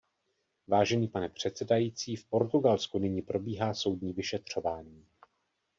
Vážený pane předsedající, v Portugalsku nyní probíhá soudní vyšetřování.